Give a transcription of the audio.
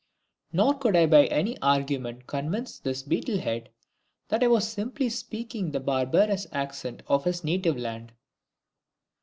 Nor could I by any argument convince this beetle head that I was simply speaking the barbarous accents of his native land!